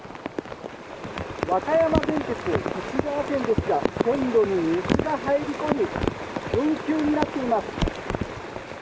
和歌山電鐵貴志川線ですが線路に水が入り込み運休になっています。